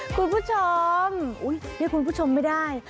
คุณผู้ชมอุ๊ยนี่คุณผู้ชมไม่ได้